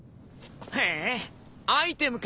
へぇアイテムか。